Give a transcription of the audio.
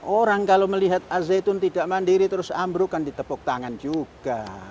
orang kalau melihat azayitun tidak mandiri terus ambruk kan ditepuk tangan juga